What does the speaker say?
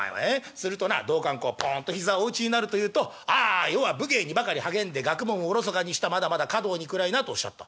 するとな道灌公ポンと膝をお打ちになるというと『ああ余は武芸にばかり励んで学問をおろそかにしたまだまだ歌道に暗いな』とおっしゃった」。